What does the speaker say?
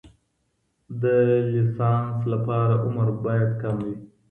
د لیسانس لپاره عمر باید کم وي.